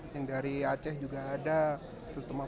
yang dari aceh juga ada terutama